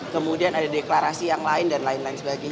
kemudian ada deklarasi yang lain dan lain lain sebagainya